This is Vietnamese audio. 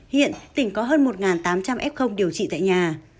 hiện tỉnh có hơn một tám trăm linh f điều trị tại nhà